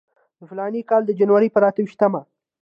د فلاني کال د جنورۍ پر اته ویشتمه.